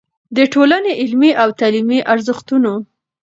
د ټولنې علمي او تعليمي ارزښتونو